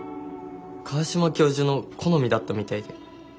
川島教授の好みだったみたいで。